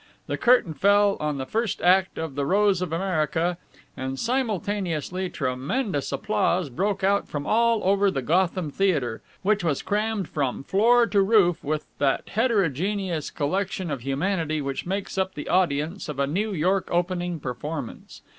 The curtain fell on the first act of "The Rose of America," and simultaneously tremendous applause broke out from all over the Gotham Theatre, which was crammed from floor to roof with that heterogeneous collection of humanity which makes up the audience of a New York opening performance.